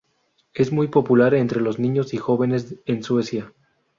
Es muy popular entre los niños y jóvenes en Suecia.